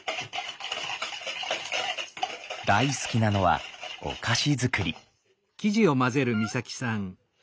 大好きなのはお菓子作り。